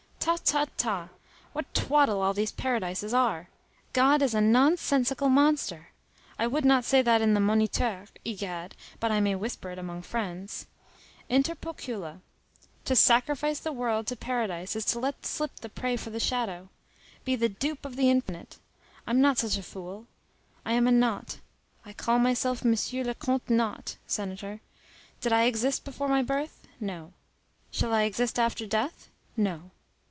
Ta, ta, ta! What twaddle all these paradises are! God is a nonsensical monster. I would not say that in the Moniteur, egad! but I may whisper it among friends. Inter pocula. To sacrifice the world to paradise is to let slip the prey for the shadow. Be the dupe of the infinite! I'm not such a fool. I am a nought. I call myself Monsieur le Comte Nought, senator. Did I exist before my birth? No. Shall I exist after death? No.